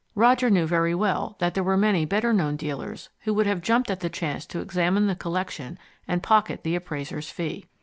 Roger knew very well that there were many better known dealers who would have jumped at the chance to examine the collection and pocket the appraiser's fee.